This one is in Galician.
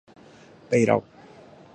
Peirao.